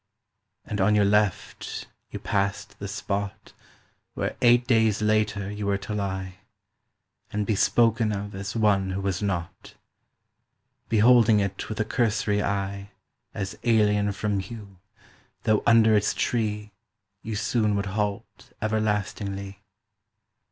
And on your left you passed the spot Where eight days later you were to lie, And be spoken of as one who was not; Beholding it with a cursory eye As alien from you, though under its tree You soon would halt everlastingly.